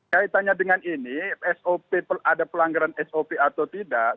kaitannya dengan ini sop ada pelanggaran sop atau tidak